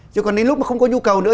chứ còn đến lúc mà không có nhu cầu nữa